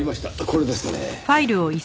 これですねぇ。